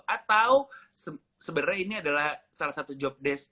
atau sebenarnya ini adalah salah satu jobdesk